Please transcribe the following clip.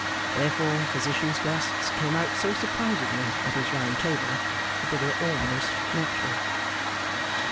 Therefore, Physician's guests came out so surprisingly at his round table that they were almost natural.